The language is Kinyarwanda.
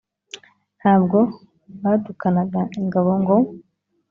nta bwo badukanaga ingabo ngo